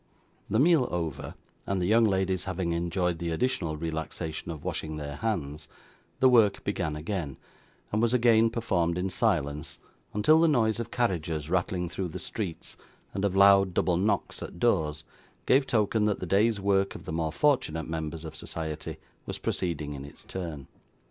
The meal over, and the young ladies having enjoyed the additional relaxation of washing their hands, the work began again, and was again performed in silence, until the noise of carriages rattling through the streets, and of loud double knocks at doors, gave token that the day's work of the more fortunate members of society was proceeding in its turn.